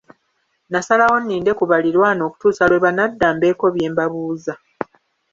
Nasalawo nninde ku baliraanwa okutuusa lwe banadda mbeeko bye mbabuuza.